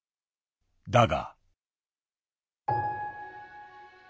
だが。